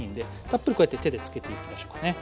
たっぷりこうやって手でつけていきましょうかね。